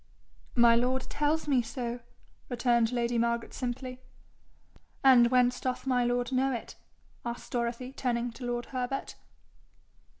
'My lord tells me so,' returned lady Margaret simply. 'And whence doth my lord know it?' asked Dorothy, turning to lord Herbert.